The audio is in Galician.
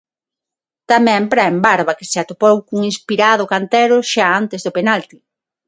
Tamén para Embarba, que se atopou cun inspirado Cantero xa antes do penalti.